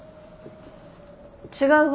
違うわ。